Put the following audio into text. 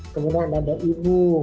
kemudian ada ibu